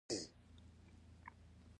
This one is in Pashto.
اندړ د غلجیو پښتنو یو قوم ده.